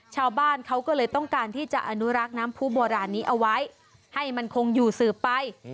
ชาวบ้านเขาก็เลยต้องการที่จะอนุรักษ์น้ำผู้โบราณนี้เอาไว้ให้มันคงอยู่สืบไป